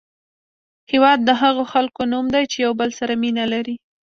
هېواد د هغو خلکو نوم دی چې یو بل سره مینه لري.